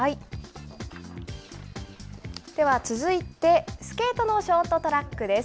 では続いて、スケートのショートトラックです。